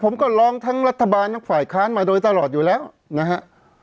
ผมก็ร้องทั้งรัฐบาลทั้งฝ่ายค้านมาโดยตลอดอยู่แล้วนะฮะ